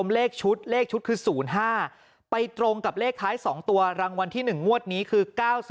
เลขท้าย๒ตัวรางวัลที่๑มวดนี้คือ๙๒๒๖๐๕